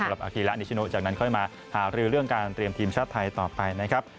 อาคีละนิชโนจากนั้นค่อยมาหารือเรื่องการเตรียมทีมชาติไทยต่อไปนะครับ